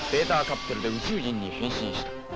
カプセルで宇宙人に変身した。